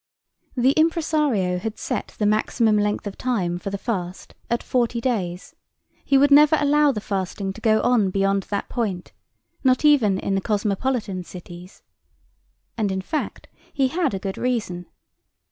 The impresario had set the maximum length of time for the fast at forty days—he would never allow the fasting go on beyond that point, not even in the cosmopolitan cities. And, in fact, he had a good reason.